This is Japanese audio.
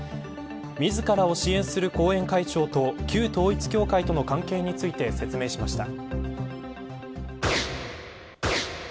自らを支援する後援会長と旧統一教会との関係について会見しました。